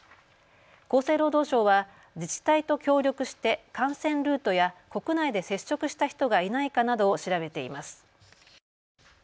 厚生労働省は自治体と協力して感染ルートや国内で接触した人がいないかなどを調べています。